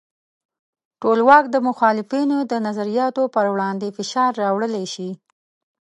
ټولواک د مخالفینو د نظریاتو پر وړاندې فشار راوړلی شي.